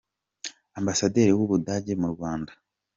Ambasaderi w’u Budage mu Rwanda, Dr.